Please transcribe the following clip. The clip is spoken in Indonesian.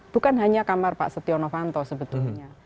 bukan hanya kamar pak setia novanto sebetulnya